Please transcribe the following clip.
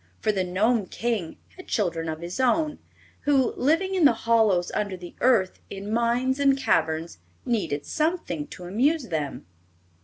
For the Gnome King had children of his own, who, living in the hollows under the earth, in mines and caverns, needed something to amuse them.